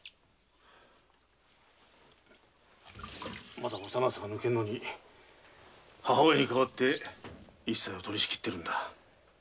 まだ幼さが抜けぬのに母親に代わって一切を取り仕切っているのだ。